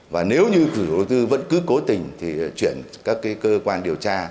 và nếu như chủ đầu tư vẫn cứ cố tình thì chuyển các cơ quan điều tra